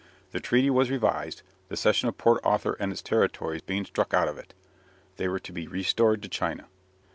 The treaty was revised, the cession of Port Arthur and its territory being struck out of it. They were to be restored to China.